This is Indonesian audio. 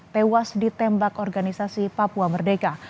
tewas ditembak organisasi papua merdeka